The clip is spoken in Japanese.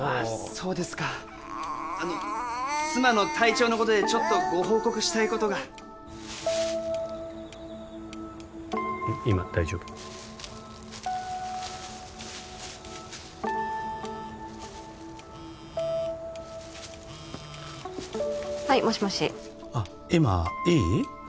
そうですかあの妻の体調のことでちょっとご報告したいことが今大丈夫はいもしもし今いい？